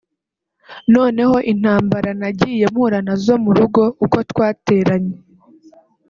noneho intambara nagiye mpura nazo mu rugo uko twateranye